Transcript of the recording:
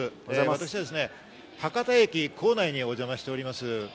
私は博多駅構内にお邪魔しております。